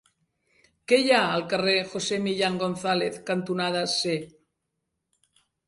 Què hi ha al carrer José Millán González cantonada C?